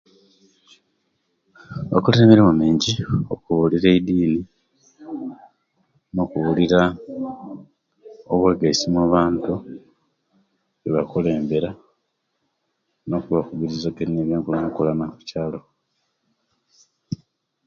Bakolere emirimu minjgi, okubulira ediini, no'kubulira obwegaisi omubantu eibakulembera nokubakubaagiriza ku bye'nkulakulana okukyaalo.